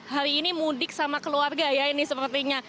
hari ini mudik sama keluarga ya ini sepertinya